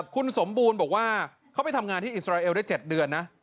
คุณสมบูรณ์บอกว่าเขาไปทำงานที่อิสราเอลได้๗เดือนนะ